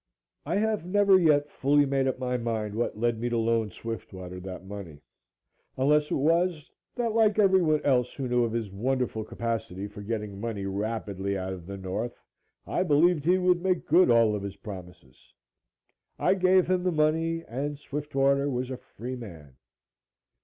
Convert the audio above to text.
I have never yet fully made up my mind what led me to loan Swiftwater that money, unless it was that, like everyone else who knew of his wonderful capacity for getting money rapidly out of the North, I believed he would make good all of his promises. I gave him the money, and Swiftwater was a free man.